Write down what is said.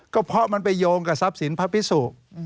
ก็เพราะมันไปโยงกับทรัพย์สินพระพิสุ